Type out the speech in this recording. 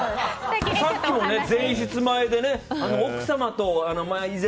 さっきも前室前で奥様と、以前。